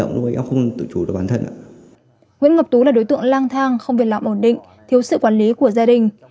nguyễn ngọc tú là đối tượng lang thang không biên lạm ổn định thiếu sự quản lý của gia đình